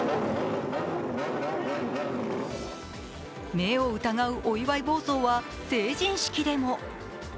目を疑うお祝い暴走は成人式でも。